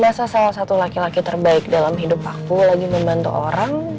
bahasa salah satu laki laki terbaik dalam hidup aku lagi membantu orang